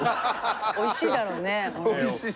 おいしいだろうね。